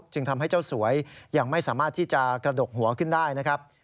จึงทำให้เจ้าสวยยังไม่สามารถที่จะกระดกหัวขึ้นได้นะครับ